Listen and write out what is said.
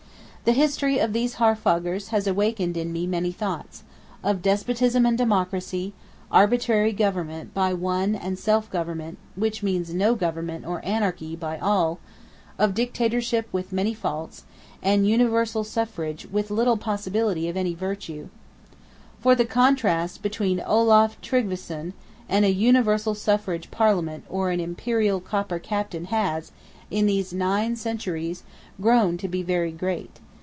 The History of these Haarfagrs has awakened in me many thoughts: Of Despotism and Democracy, arbitrary government by one and self government (which means no government, or anarchy) by all; of Dictatorship with many faults, and Universal Suffrage with little possibility of any virtue. For the contrast between Olaf Tryggveson, and a Universal Suffrage Parliament or an "Imperial" Copper Captain has, in these nine centuries, grown to be very great.